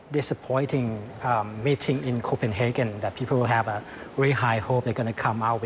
ในภาพที่นี่พวกเขาจะได้รู้สึกว่าพวกเขาจะทำงานแบบนี้